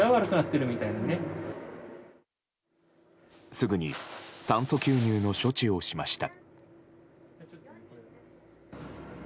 すぐに酸素吸入の処置をしました。